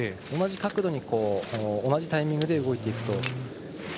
同じ角度に同じタイミングで動いている。